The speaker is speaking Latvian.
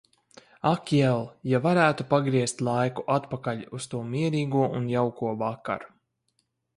Ak jel, ja varētu pagriezt laiku atpakaļ uz to mierīgo un jauko vakaru.